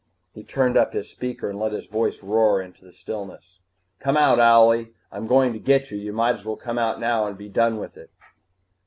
He tuned up his speaker and let his voice roar into the stillness: "Come out, owlie! I'm going to get you, you might as well come out now and be done with it!"